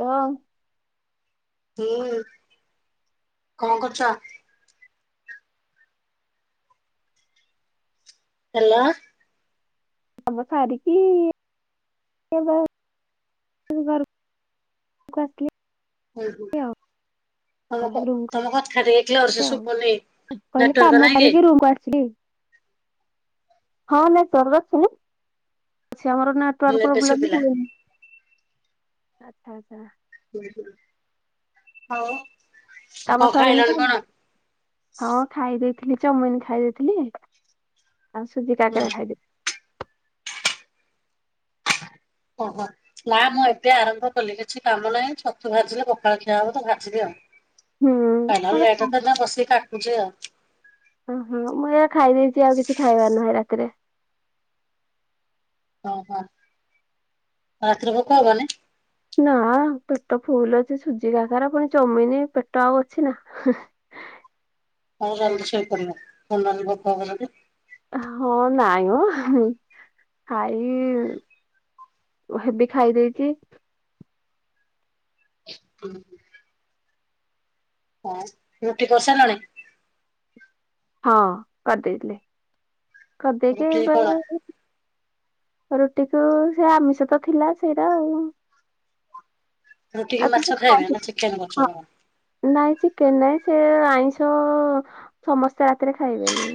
ର ଅ ହଁ କଣ କରୁଚ? ହାଲୋ। କାମ ସାରି କିି ଇ ବା ମୁଁ ଘରକୁ ଆସିଲି। ଓହୋ ଆଉ ହ ତମ କଥ ରୁମକୁ ତମ କଥା ଟିକେ କ୍ଲିୟର ସେ ଆଉ ଶୁଭୁନି। କହିଲି ନେଟୱାର୍କ କାମ ନାହିଁ କି? ସାରିକି ରୁମ କୁ ଆସିଲି। ହଁ ନେଟୱର୍କ ଆସୁନି। ଅଛି ଆମର ନେଟ ହୁଁ ନେଟୱର୍କ ଏବେ ପ୍ରୋବ୍ଲେମ ଶୁଭିଲା। ହୁଏନି। ଅଚ୍ଛା ଆଚ୍ଛା ହୁଁ ହୁଁ ହଉ। କାମ ସରିନି ତମର? ହଁ ଖାଇ ଦେଇଥିଲି ଚମିନ ଖାଇ ଦେଇଥିଲି। ଆଉ ସୁଜି ହୁଁ କାକେରା ଖାଇଲି। ଓହୋ। ନା ମୁଁ ଏବେ ଆରମ୍ଭ କଲି କିଛି କାମ ନାହିଁ ଛତୁ ଭାଜିଲେ ପଖାଳ ଖିଆ ହବ ତ ଭାଜିବି ଆଉ। ହୁଁ ଖାଇଲାବେଳୁକୁ ଲେଟ ତ ମତେ ସେଥି ପାଇଁ ବସିକି କାଟୁଚି ଆଉ। ଓହୋ ମୁଁ ଏଇକା ଖାଇ ଦେଇଚି ଆଉ କିଛି ଖାଇବାର ନାହିଁ ରାତିରେ। ଓହୋ ରାତିିରେ ଭୋକ ହବନି? ନା ପେଟ ଫୁଲ ଅଛି। ସୁଜି କାକରା ପୁଣି ଚମିନି ପେଟ ଆଉ ଅଛି ନା? ହଁ ଭଲରେ ଶୋଇ ପଡ଼ିବ [unintelligible] ହଁ ନାଇଁ ମ ଖାଇବି। ହେଭି ଖାଇ ଦେଇଚି। [inaudible] ଆଉ ରୁଟି କରି ସାଇଲଣି? ହଁ କରିଦେଇଥିଲି କରିଦେଇକି ରୁଟି ବେ କଣ ରୁଟିକୁୁ ସେ ଆମିଷ ତ ଥିଲା ସେଇଟା ଆଉ। ରୁଟି କି ଆଉ ତୁ ତ ମାଛ ଖାଇବେ ଖାଇଛୁ? ନା ଚିକେନ ହଁ, କରିଛନ୍ତି? ନାଇଁ ଚିକେନ ନାଇଁ ସେ ଆଇଁଷ ଅ ସମସ୍ତେ ରାତିରେ ଖାଇବେନି।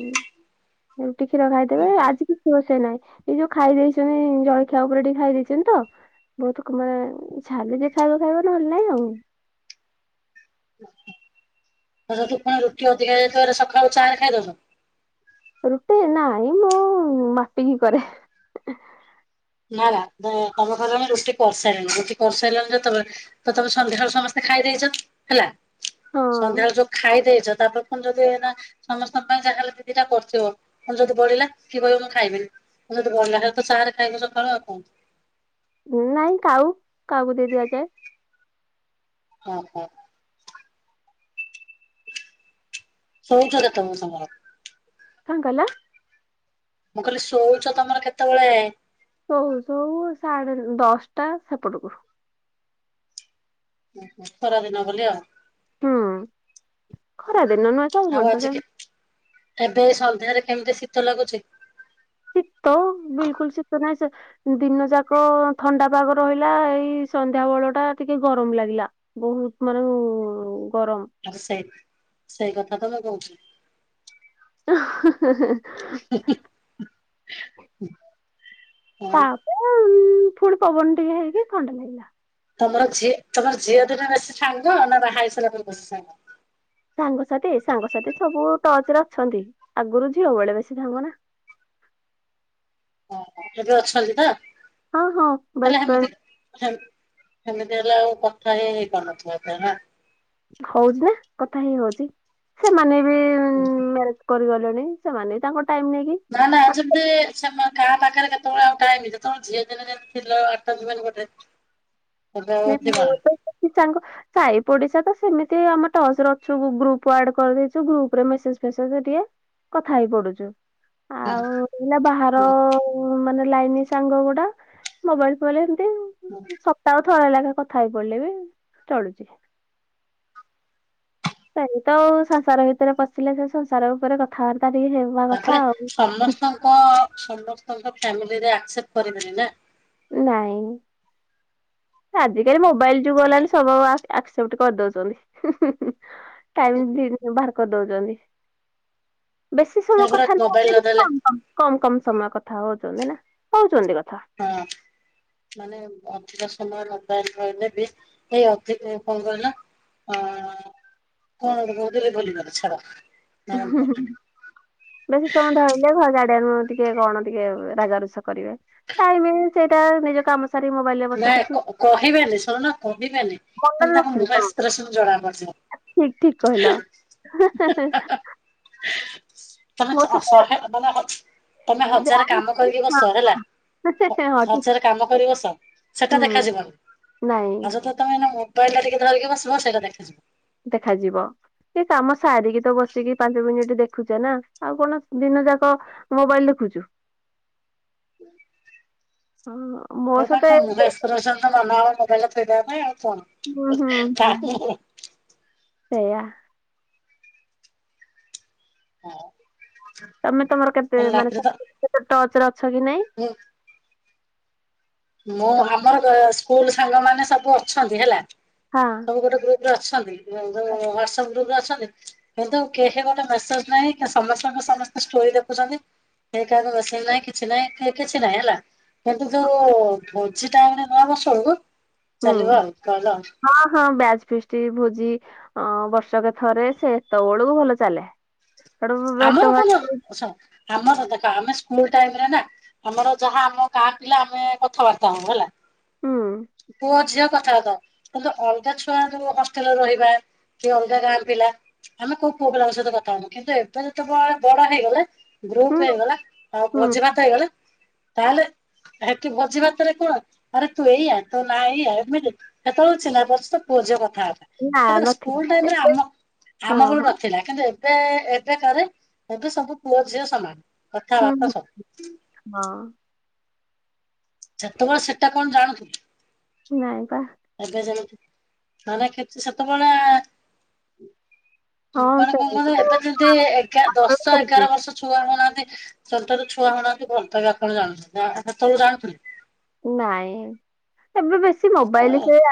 ରୁଟି କ୍ଷୀର ଖାଇଦେବେ ଓହୋ ଆଜି କିଛି ରୋଷେଇ ନାହିଁ। ଏଯଉ ଖାଇ ଦେଇଚନ୍ତି ଜଳଖିଆ ଉପରେ ଟିକେ ଖାଇ ଦେଇଚନ୍ତି ତ ବହୁତ ମାନେ ଇଚ୍ଛା ଯେ ଖାଇବ ଖାଇବ ନହେଲେ ନାଇଁ ଆଉ। ଧର ଯଉଁଦିନ ରୁଟି ଅଧିକା ହେଇ ଯାଇଥିବା ସକାଳୁ ଚା ରେ ଖାଇଦଉଚ? ରୁଟି ନାଇଁ ମୁଁ ମାପିକି କରେ। ନା ନା ତମେ କହିଲ ଆମେ ରୁଟି କରିସାରିଲୁଣି ରୁଟି କରିସାରିଲଣି ଯେତେବେଳେ ତ ତମେ ସନ୍ଧ୍ୟାବେଳୁ ସମସ୍ତେ ଖାଇ ଦେଇଚ ହେଲା ହଁ ସନ୍ଧ୍ୟାବେଳଳେ ଯୋଉ ଖାଇ ଦେଇଚ ତାପ ପୁଣି ଯଦି ଏଇନା ସମସ୍ତଙ୍କ ପାଇଁ ଯାହାହେଲେ ଦି ଦିଟା କରିଥିବ ମୁଁ ଯଦି ବଳିଲା କିଏ କହିବ ମୁଁ ଖାଇବିନି। ଯଦି ବଳିଲା ହେରା ତ ଚା ରେ ଖାଇବ ସକାଳେ ଆ କଣ କରିବ? ନାଇଁ କାଉ କାଉ କୁ ଦେଇ ଦିଆଯାଏ। ଅ ହ। ସୋଇଚ ତ ତମେ ତମର। କଣ କହିଲ? ମୁଁ କହିଲି ଶୋଉଛଚ ତମର କେତବେଳେ? ଶୋଉ ଶୋଉ ସାଢେ ଦଶଟା ସେପଟକୁ। ଖରା ଦିନ ବୋଲି ଆଉ। ହୁଁ ଖରା ଦିନ ନୁଏଁ। ଆଉ ଆଜି କେ ସନ୍ଧ୍ୟାରେ କେମିତି ଶୀତ ଲାଗୁଚି। ଶୀତ [unintelligible] ବିଲକୁଲ ଶୀତ ନାହିଁ ସେ ଦିନ ଯାକ ଥଣ୍ଡା ପାଗ ରହିଲା ଏଇ ସନ୍ଧ୍ୟା ବେଳ ଟା ଟିକେ ଗରମ ଲାଗିଲା। ବହୁତ୍ ମାନେ ଗରମ। ଆ ସେ ସେଇ କଥାତ ମୁଁ କହୁଛି। [inaudible] [inaudible] ତାପରେ ଫୁଣି ପବନ ଟିକେ ହେଇକି ଥଣ୍ଡା ଲାଗିଲା। ତମର ଝିଅ ତମର ଝଅ ଦିନେ ବେଶୀ ସାଙ୍ଗ ନା ବାହା ହେଇସାଇଲା ପରେ ବେଶୀ ସାଙ୍ଗ? ସାଙ୍ଗସାଥି ସାଙ୍ଗସାଥି ସବୁ ଟଚ୍ ରେ ଅଛନ୍ତି ଆଗରୁ ଝିଅ ବେଳେ ବେଶୀ ସାଙ୍ଗ ନା। ଏବେ ଅଛନ୍ତି ତ? ହଁ ହଁ ବେଷ୍ଟ ଫ୍ରେଣ୍ଡେ। ସେମ୍ ହେମିତି ହେଲେ ଆଉ କଥା ହେଇ ହେଇପାରୁନଥିବ ଏତେ ନାଁ? ହଉଛି ନା କଥା ହଇ ହଉଛି ସେମାନେ ବି [unintelligible] ମ୍ୟାରେଜ କରିଗଲେଣି ସେମାନେ ତାଙ୍କ ଟାଇମ ନେଇକି ନାଁ ନାଁ ଯେମିତି ସେମା କାହା ପାଖେରେ କେତେବଳେ ଆଉ ଟାଇମ ଯେତେବେଳେ ଝିଅ ଦିନେ ଯେମିତି ଥିଲ ଆଟାଜ୍ ମାନେ ଗୋଟେ [inaudible] ନାଇଁ ଥିବ ନା? ମୋର ତ ଯେତିକି ଚାଙ୍ଗ ସାଇ ପଡିଶା ତ ସେମିତି ଆମେ ଟଚ୍‌ରେ ଅଛୁ ଗ୍ରୁପ ଆଡ କରିଦେଇଚୁ ଗ୍ରୁପ ରେ ମେସେଜ ଫେସେଜ ଟିକେ। କଥା ହେଇ ପଡୁଚୁ ହୁଁ ଆଉ ଏଇନା ବାହାର ହୁଁ ଏମା ମାନେ ଲାଇନି ସାଙ୍ଗ ଗୁଡା ମୋବାଇଲ ଫୋବାଇଲି ଏମ୍ତି। [unintelligible] ସପ୍ତାହକୁ ଥରେ ଲେଖେ କଥା ହେଇପଡିଲେ ବି ଚଳୁଚି। ସେଇ ତ ସଂସାର ଭିତରେ ପସିଲେ ସେ ସଂସାର ଉପରେ କଥାବାର୍ତ୍ତା ଟିକେ ହେଉ ତାପରେ ସମସ୍ତଙ୍କ ସମସ୍ତଙ୍କ ଫ୍ୟାମିଲିରେ ଆକ୍ସେପ୍ଟ କରିବେନି ନା। ନାଇଁ ଆଜିକାଲି ମୋବାଇଲ ଯୁଗ ସେଇଟା। ହେଲାଣି ସବୁ ଆ ଆକ୍ସେପ୍ଟ କରିଦଉଛନ୍ତି ଟାଇମ ଦି ବାହାର କରିଦଉଛନ୍ତି। ବେଶୀ ସେ ସମୟ ପୁରା କଥା ନ ମୋବାଇଲ ହେଲେ ବି ନଦେଲେ କମ କମ କମ କମ ସମୟ କଥା ହଉଚନ୍ତି ନା ହଉଚନ୍ତି କଥା। ହଁ। ମାନେ ଅଧିକ ସମୟ ମୋବାଇଲ ଧଇଲେ ବି ଏଇ ଅଧିକ କଣ କହିଲ? ଆଁ କଣ ଗୋଟେ କହୁଥିଲି ଭୁଲିଗଲି ଛାଡ? ବେସି ସମୟଟା ହେଲେ ଇଏ ଘର ଝାଡିବାକୁ ଟିକେ କଣ ଟିକେ ରାଗ ରୁଷା କରିବେ ଟାଇମ ସେଇଟା ନିଜ କାମ ସରି ମୋବାଇଲରେ ବସ ନାଇଁ କିଛି କ କହିବେନି ଶୁଣୁନ କହିବେନି। କିନ୍ତୁ ଭଲରେ ତାଙ୍କ ରଖିବି ମୁହଁ ହଁ ଏକ୍ସପ୍ରେସନ ଜଣା ପଡିଯିବ ହାଁ ଠିକ ଠିକ କହିଲ। [unintelligible] ତମେ ମୋ ସହିତ ଶ-ଅ-ଶହେ ମାନେ ହ ତମେ ହଜାରେ କାମ ଜାଣିଛି। କରିକି ବସ ହେଲା। ହଁ ହ ହଁ, ଠିକ। ହଜାରେ କାମ କରିକି ବସ। ସେଟା ହୁଁ ଦେଖାଯିବନି ନାଇଁ ଆଉ ଯେତବେଳେ ତମେ ଏଇନା ମୋବାଇଲା ଟା ଟିକେ ଧରିକି ବସିବ ସେଇଟା ଦେଖାଯିବ। ଦେଖାଯିବ। ସେ କାମ ସାରିକି ତ ବସିକି ପାଞ୍ଚ ମିନିଟ୍ ଦେଖୁଚ ନା ଆଉ କଣ ଦିନ ଯାକ ମୋବାଇଲ ଦେଖୁଚୁ। [unintelligible] ହଉ ଅଁ [unintelligible] ମନହବ ମୋବଇଲ୍ ଟା ଥୋଇଦବା ପାଇଁ ଆଉ ହୁଁ କଣ [unintelligible] ସେୟା। ନାଁ। ତମେ ତମର କେତେ ମାନେ ତେ ଟଚରେ ଅଛ କି ନାଇଁ ଉୁଁ। ମୁଁ ତମ ଆମର ଗ ସ୍କୁଲୁ ସାଙ୍ଗ ମାନେ ସବୁ ଅଛନ୍ତି ହେଲା। ହଁ। ସବୁ ଗୋଟେ ଗ୍ରୁପରେ ଅଛନ୍ତି ଯୋଉ ହ୍ବାଟସପ୍ ଗ୍ରୁପ ରେ ଅଛନ୍ତି? କିନ୍ତୁ କେହି ଗୋଟେ ମେସେଜ୍ ନାହିଁ କି ସମସ୍ତଙ୍କ ସମସ୍ତେ ଷ୍ଟୋରି ଦେଖୁଚନ୍ତି। କେହି କାହାକୁ ମେସେଜ୍ ନାଇଁ କିଛି ନାଇଁ କି କିଛି ନାହିଁ ହେଲା କିନ୍ତୁ ଯୋଉ ଭୋଜିଟା ମାନେ ନ ବସୁଣୁକୁ ହୁଁ ଚାଲିବ ଆଉ ସଇଲା ଆଉ। ହଁ ହଁ ବ୍ୟାଚ୍ ଫିଷ୍ଟି ଭୋଜି ଅଁ ବର୍ଷକେ ଥରେ ସେ ଏତବେଳକୁ ଭଲ ଚାଲେ। ସେଠୁ ଭେଟ ଆମର କଣ ଭାଟ ଅଛ ଆମର ଦେଖ ଆମେ ସ୍କୁଲ ଟାଇମରେ ନା ଆମର ଯାହା ଆମ ଗାଁ ପିଲା ଆମେ କଥାବାର୍ତା ହଉଁ ହେଲା। ହୁଁ ପୁଅ ଝିଅ କଥାବାର୍ତା ହଉ। କିନ୍ତୁ ଅଲଗା ଛୁଆ ଯୋଉ ହଷ୍ଟେଲରେ ରହିବା କି ଅଲଗା ଗାଁ ପିଲା ଆମେ କୋଉ ପୁଅ ପିଲାଙ୍କ ସହିତ କଥା ହଉନ କିନ୍ତୁ ଏବ୍ ବେ ଯେତେବଏ ବଡ ହେଇଗଲେ ଗ୍ରୁପ୍ ହୁଁ ହେଇଗଲା ଆଉ ହୁଁ ଭୋଜି ଭାତ ହେଇଗଲେ ତାହେଲେ ସେଠି ଭୋଜି ଭାତରେ କଣ ଆରେ ତୁ ଏଇଆ ତୋ ନା ଏଇଆ ଏମିତି କେତେଏଳୁରୁ ଛିହ୍ନା ବର୍ଷେ ପୁଅଝିଅ କଥାଆର୍ତ୍ତା। ନା [unintelligible] ନଥିଲି ସ୍କୁଲ ଟାଇମରେ ଆମ ଆମ ହଁ ହଁ ଗ ଥିଲା କିନ୍ତୁ ଏବେ ଏବେ କାରେ ଏବେ ସବୁ ପୁଅ ଝିଅ ସମାନ ହୁଁ କଥାବାର୍ତ୍ତା ହୁଁ ସବୁ। ହଁ। ସେତେବେଳେ ସେଟା କଣ ଜାଣଥୁ ନାଇଁ ପା। ଏବେ ଯେମିତି ନଅଲେ କିଛି ସେତେବେଳେ ହଁ ମାନେ କଁ ସେମିତି କୁଅନି ତ ଏବେ ଯେମିତି ଏଗାର୍ ଆମର ଦଶ, ବି ସେମିତି। ଏଗାର ବର୍ଷ ଛୁଆ ହଉନାହାନ୍ତି ଛୋଟରୁ ଛୁଆ ହଉନାହାନ୍ତି ଭଲପାଇବା କଣ ଯାଣୁଚନ୍ତି ଆଁ ସେତେବେଳୁ ଜାଣୁଥିଲେ? ନାଇଁ ଏବେ ବେଶୀ ମୋବାଇଲି ସେତେବେଳେ ସେୟା।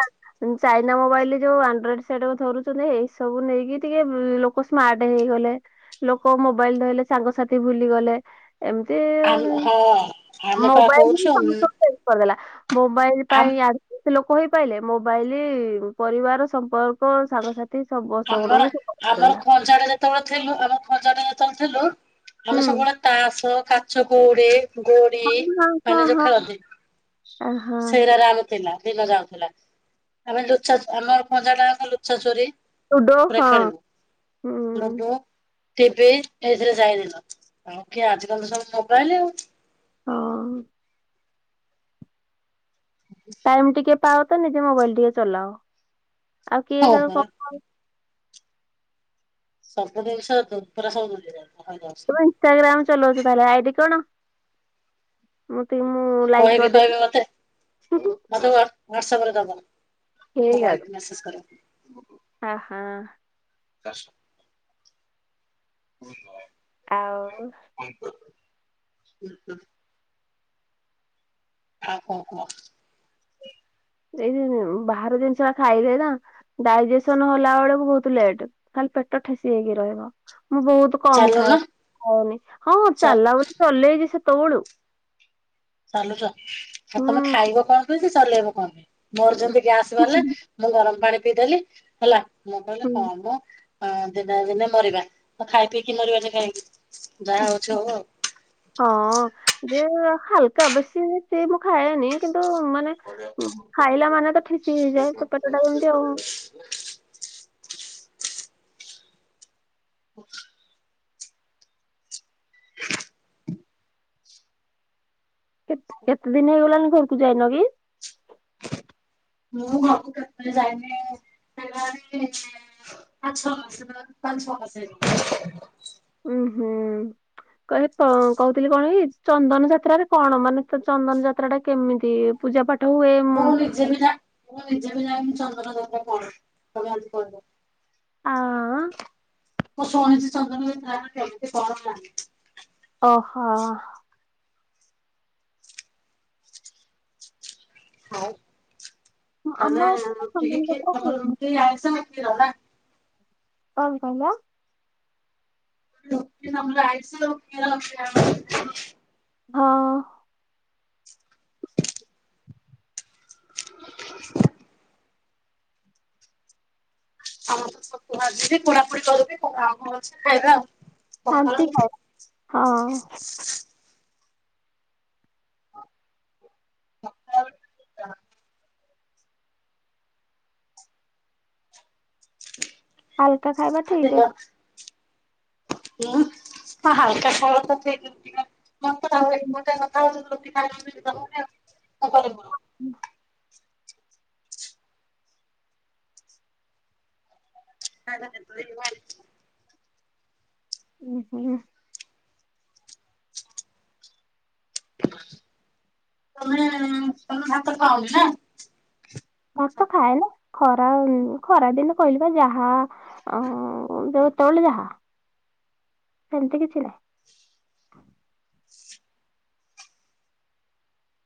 ଚାଇନା ମୋବାଇଲି ଯୋଉ ଆଣ୍ଡ୍ରଏଡ ସେଟ୍ ଧରୁଚନ୍ତି ଏଇ ସବୁ ନେଇକି ଟିକେ ଲୋ କ ସ୍ମାର୍ଟ ହେଇଗଲେ ଲୋକ ମୋବାଇଲ ଧଇଲେ ସାଙ୍ଗସାଥି ଭୁଲିଗଲେ। ଏମିତି ଆମ ହଁ ଆମେ ପା ମୋବାଇଲ ବି କହୁଛୁ ସମସ୍ତ [unintelligible] କରଦେଲା ମୋବାଇଲ ଆମ ପାଇଁ ଆ [unintelligible] ଲୋକ ହେଇପାଇଲେ ମୋବାଇଲ ପରିବାର ସମ୍ପର୍କ ସାଙ୍ଗସାଥ୍ ତି ସମସ୍ତଙ୍କ ଆମର ଠୁ ବି [unintelligible] ଆମର ଦେଲା। ଖଞ୍ଜାରେ ଯେତେବେଳେ ଥିଲୁ ଆମ ଖଜାରେ ଯେତେବେଳେ ଥିଲୁ ହୁଁ ଆମେ ସବୁବେଳେ ତାସ, କାଚ କୋଉଡି ଗୋଡି ହଁ ହଁ ହଁ ମାନେ ଯୋଉ ହଁ ଖେଳନ୍ତି ଆ, ହଁ ସେଇରା ଥିଲା ଦିନ ଯାଉଥିଲା ଆମେ ଲୁଚା ଚ ଆମର ଖଞ୍ଜାଟାଙ୍କ ଲୁଚା ଚୋରୀ ଲୁଡୋ ପୁରା ହଁ ଖେଳିଲୁ। ହୁଁ ଲୁଡୁ ଟିବି ଏଇଥିରେ ଯାଏ ଦିନ ଆ କି ଆଜି କାଲି ତ ସବୁ ମୋବାଇଲ ଆଉ। ହଁ। ହ ଟାଇମ୍ ଟିକେ ପାଅ ତ ନିଜେ ମୋବାଇଲ ଟିକେ ଚଲାଅ ଆଉ କିଏ ହଁ କାଆକୁ ପରା କ ସବୁ ଦିନିଷ ଦୁପରେ ସବୁ [unintelligible] ତ ଇନଷ୍ଟାଗ୍ରାମ୍ ଚଲଉଚୁ ତାହେଲେ ଆଇଡି କଣ? ମୁଁ ଟିକ ମୁଁ ଲାଇକ୍ କରିଦେବି। ମୋତେ ଏ ମେସେଜ୍ ରେ ଦବ ମୋ ଆଇଡି ମେସେସ୍ କରିବା ପାଇଁ। ଓ, ହଁ। ଚାଷ [inaudible] ଆଉ। [inaudible] ଆଉ କଣ କୁହ? ଏଇ ବାହାର ଜିନିଷଟା ଖାଇଲେେ ନା ଡାଇଜେସନ୍ ହେଲା ବେଳକୁ ବହୁତୁ ଲେଟ୍ ଖାଲି ପେଟ ଠେସି ହେଇକି ରହିବ। ମୁଁ ବହୁତୁ କମ୍ ଚାଲୁନ ଖାଏ ଖାଉନି ହଁ, ହଁ ଚାଲା [inaudible] ଚଲେଇଚି ସେତେବଳୁ। ଚାଲୁଚ ଆଉ ତୋମେ ହୁଁ। ଖାଇବ କଣ ପାଇଁ କି ଚାଲିବ କଣ ପାଇଁ? ମୋର ଯେମିତି ଗ୍ୟାସ୍ ବାହାରିଲା, ମୁଁ ଗରମ ପାଣି ପିଇଦେଲି ହେଲା। ମୁଁ କହିଲି ହୁଁ ହଁ ମୁଁ ହଁ ଦିନେ ନା ଦିନେ ମରିବା। ତ ଖାଇ ପିଇକି ମରିବା ନି କାହିଁକି ଯାହା ହଉଛି ଆଉ। ହଁ ଯେ ହାଲକା ବେଶୀ ବେଶୀ ମୁଁ ଖାଏନି। କିନ୍ତୁ ମାନେ ଏମ୍ ଖାଇଲା ମାନେ ତ ଠେସି ହେଇଯାଏ ତ ପେଟଟା ଏମତି ଆଉ। [unintelligible] କେତ କେତେ ଦିନ ହେଇଗଲାଣି ଘରକୁ ଯାଇନ କି? ମୁଁ ଘର କୁ କେବେ ଯାଇନି ହେଇଗଲାଣି ସେ ପାଛ ପାଞ୍ଚ ଛଅ ମାସ ହେଇ [inaudible] ଅଁ, ହଁ। କହି କ-କହୁଥିଲି କଣ କି ଚନ୍ଦନ ଯାତ୍ରାରେ କଣ ମାନେ ତ ଚନ୍ଦନ ଯାତ୍ରା ଟା କେମିତି ପୂଜା ପାଠ ହୁଏ। ମୁଁ ଜାଣିନା ମୁଁ ନିଜେ ବି ଜା, ମୁଁ ନିଜେ ବି ଜାଣିନି ଚନ୍ଦନ ଯାତ୍ରା କଣ? ତୋମେ ଆଜି କହିଲ। ଆ ମୁଁ ଶୁଣିଛି ଚନ୍ଦନ ଯାତ୍ରା, କେମିତି କଣ ଜାଣିନି। ଓହୋ। ହଉ, ତାନେ ଆମ ଏପଟେ ରୁଟି ଚନ୍ଦନ କି କ୍ଷୀ ଯାତ୍ରା ତୋମର ହୁଏନି ରୁଟି ଆଇ ସାଙ୍ଗେ କ୍ଷୀର ନା? କଣ କହିଲ? ରୁଟି ନହେଲେ ଆଇଁଷ ଆଉ କ୍ଷୀର ଅଛି ନା ଆମର [inaudible] ହଁ। ଆ, ମୁଁ ତ ସତୁ ଭାଜିବି, ପୁଡାପୁଡି କରିକି ତ ଆଉ କଣ ଅଛି ଖାଇବା। ପଖାଳ ହେମତି ଖାଏ, ହଁ। [inaudible] ହାଲକା ଖାଇବା ଆଉ ଠିକ୍ ଅ ମୁଁ ତ ହାଲକା ଖାଇବା ଟା ଠିକ୍। [inaudible] ମୋତେ ବେଳେବେଳେ [inaudible] ଅଛି। ଥଣ୍ଡା ହଉଚୁ ତ ରୁଟି ଖାଇ ଦଉଚି [unintelligible] ତ କରିବୁ କଣ। ନା। ଖାଇବା ତେନ୍ତୁଳି ଭାରିଛି। ଏ ହଁ। ତୋମେ ତୋମେ ଭାତ ଖାଅନି ନା? ଭାତ ତ ଖାଏ ନା। ଖରା ଉଁ, ଖରା ଦିନ କହିଲି ପା ଯାହା ହା ଅଁ, ଯେତୋଳେ ଯାହା ସେମିତି କିଛି ନାହିଁ।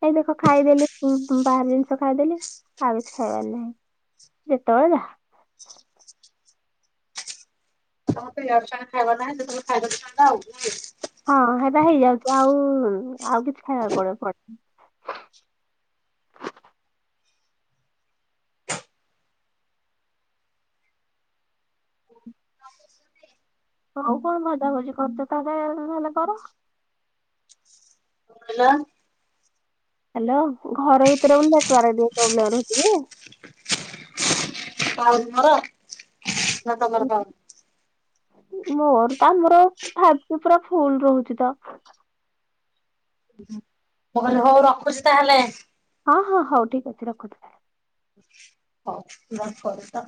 ଏଇ ଦେଖ ଖାଇଦେଲି ଉଁ, ପୁଁ, ବାହାର ଜିନିଷ ଖାଇଦେଲି ଆଉ କିଛି ଖାଇବାର ନାହିଁ। ଯେତବେଳେ ଯାହା। ତୋମର ତ ଇଆଡୁ ସିଆଡେ ଖାଇବ ନାହିଁ। ଯେତେବେଳେ ଖାଇଦଉଛ ହେଲା ଆଉ ନାଇଁ? ହଁ ହେରା ହେଇଯାଉଛି ଆଉ ଆଉ କିଛି ଖାଇବାକୁ ପଡ ପଡ ହଉ କଣ ଭଜା ଭୋଜି କରିଛ ତା ହେଲେ କର। ହେଲା। ହ୍ୟାଲୋ ଘର ଭିତରେ ବୋଲି ନେଟୱାର୍କ ପ୍ରୋବ୍ଲେମ ରହୁ କି? ପାଉନି ମର, ନା ତମର ରହୁଛି ପାଉନି। ମୋର ତ ଆମର ଫାଇଟି ପୁରା ଫୁଲ ରହୁଛି ତ। ମୁଁ କହିଲି ହଉ ରଖୁଛି ତାହେଲେ। ହଁ ହଁ ହଉ ଠିକ ଅଛି ରଖ ତା ହେଲେ। ହଉ [unintelligible] ତ